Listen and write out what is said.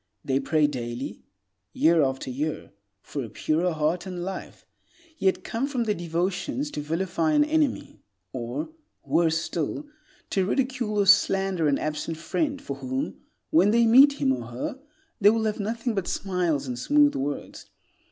They pray daily, year after year, for a purer heart and life, yet come from their devotions to vilify an enemy, or, worse still, to ridicule or slander an absent friend for whom, when they meet him or her, they will have nothing but smiles and smooth words.